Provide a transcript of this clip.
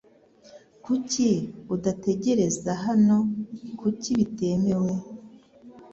Kuki udategereza hano kuko bikenewe